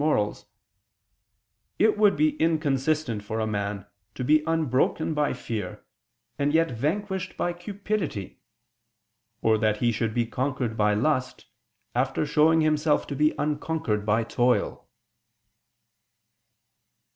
i), "it would be inconsistent for a man to be unbroken by fear, and yet vanquished by cupidity; or that he should be conquered by lust, after showing himself to be unconquered by toil."